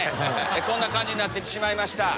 こんな感じになってしまいました。